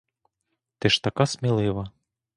Ти ж така смілива.